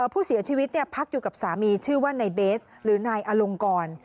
ผู้เสียชีวิตพักอยู่กับสามีชื่อว่านายเบสหรือนายอลงกร